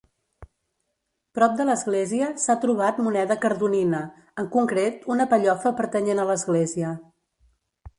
Prop de l'església s'ha trobat moneda cardonina, en concret una pellofa pertanyent a l'església.